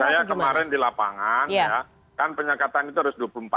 saya kemarin di lapangan ya kan penyekatan itu harus dua puluh empat jam